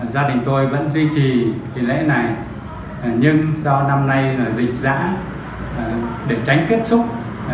gia đình tôi vẫn duy trì lễ này nhưng do năm nay dịch giã để tránh kết xúc